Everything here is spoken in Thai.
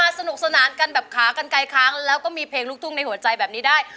สนุกสนานกันแบบขากันไกลค้างแล้วก็มีเพลงลูกทุ่งในหัวใจแบบนี้ได้